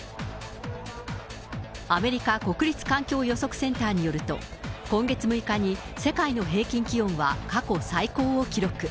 アメリカ国立環境予測センターによると、今月６日に世界の平均気温は過去最高を記録。